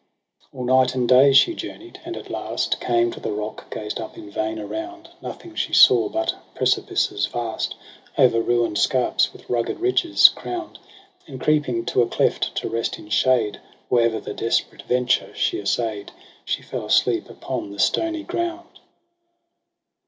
AH night and day she journey'd, and at last Come to the rock gazed up in vain around : Nothing she saw but precipices vast O'er ruined scarps, with rugged ridges crown'd : And creeping to a cleft to rest in shade. Or e'er the desperate venture she assay'd. She fell asleep upon the stony ground.